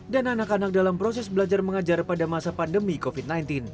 dan anak anak dalam proses belajar mengajar pada masa pandemi covid sembilan belas